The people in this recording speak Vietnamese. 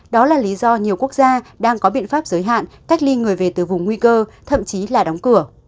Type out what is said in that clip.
đó là lý do nhiều quốc gia đang có biện pháp giới hạn cách ly người về từ vùng nguy cơ thậm chí là đóng cửa